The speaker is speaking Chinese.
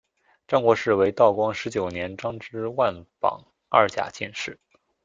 张国士为道光十九年张之万榜二甲进士。